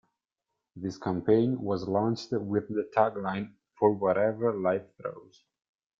This campaign was launched with the tagline "For Whatever life throws".